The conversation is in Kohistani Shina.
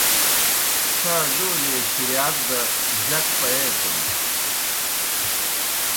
څھا ڈولیْئے شریات دہ جک پیَیتَن۔